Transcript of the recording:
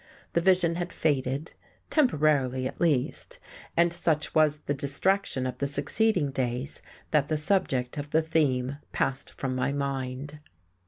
The vision had faded, temporarily, at least; and such was the distraction of the succeeding days that the subject of the theme passed from my mind....